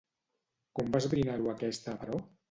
Com va esbrinar-ho aquesta, però?